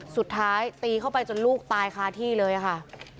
สุดท้ายตีเข้าไปจนลูกตายคาที่เลยค่ะ